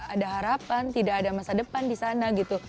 ada harapan tidak ada masa depan di sana gitu